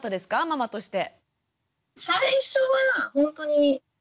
ママとして。